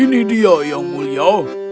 ini dia yang mulia